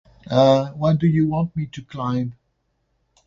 what do you want me to claim